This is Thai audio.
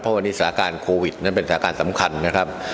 เพราะวันนี้สถานการณ์โควิดนั้นเป็นสถานการณ์สำคัญนะครับ